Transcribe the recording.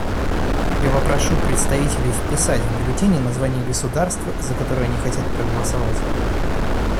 Я попрошу представителей вписать в бюллетени название государства, за которое они хотят проголосовать.